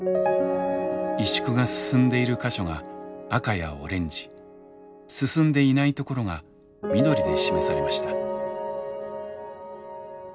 萎縮が進んでいる箇所が赤やオレンジ進んでいないところが緑で示されました。